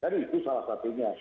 dan itu salah satunya